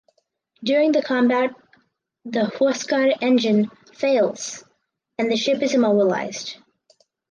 During the combat the "Huascar" engine fails and the ship is immobilised.